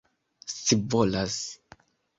scivolas